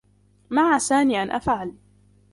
ما عساني أن أفعل؟